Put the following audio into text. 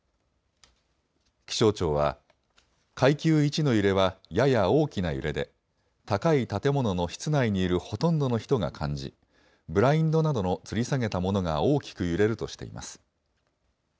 気象庁は階級１の揺れはやや大きな揺れで高い建物の室内にいるほとんどの人が感じブラインドなどのつり下げたものが大きく揺れるとしています。